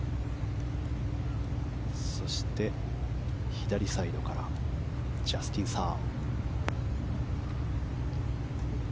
左サイドからジャスティン・サー。